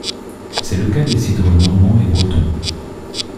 C’est le cas des cidres normand et breton.